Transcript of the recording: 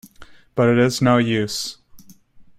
But it is no use.